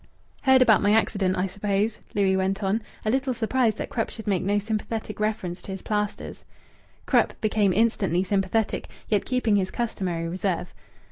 "Heard about my accident, I suppose?" Louis went on, a little surprised that Krupp should make no sympathetic reference to his plasters. Krupp became instantly sympathetic, yet keeping his customary reserve.